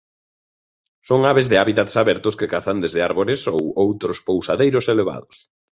Son aves de hábitats abertos que cazan desde árbores ou outros pousadeiros elevados.